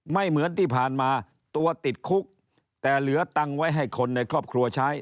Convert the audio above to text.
ไม่เหมือนที่ผ่านมาตัวติดคุกแต่เหลือตังค์ไว้ให้คนในครอบครัวใช้